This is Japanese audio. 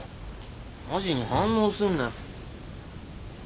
マジに反応すんなよ。